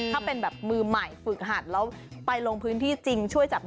ถ้าเป็นมือใหม่ฝึกหัดแล้วไปลงพื้นที่จริง